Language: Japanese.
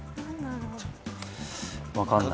分かんない。